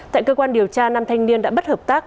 tại cơ quan điều tra nam thanh niên đã bất hợp tác